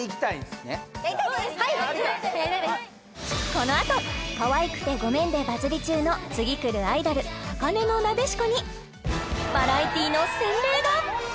・はいこの後「可愛くてごめん」でバズり中の次くるアイドル高嶺のなでしこにバラエティの洗礼が！